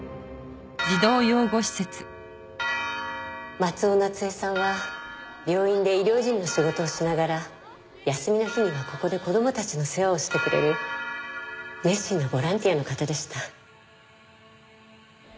松尾夏恵さんは病院で医療事務の仕事をしながら休みの日にはここで子供たちの世話をしてくれる熱心なボランティアの方でした。